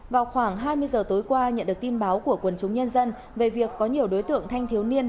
vào khoảng hai mươi giờ tối qua nhận được tin báo của quần chúng nhân dân về việc có nhiều đối tượng thanh thiếu niên